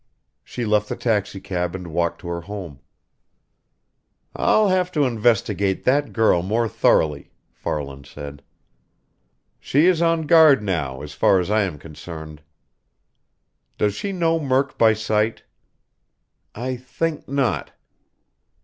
She left the taxicab and walked to her home." "I'll have to investigate that girl more thoroughly," Farland said. "She is on guard now, as far as I am concerned." "Does she know Murk by sight?" "I think not."